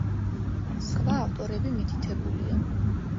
სხვა ავტორები მითითებულია.